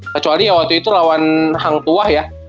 kecuali ya waktu itu lawan hang tuah ya